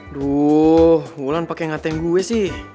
aduh wulan pakai ngateng gue sih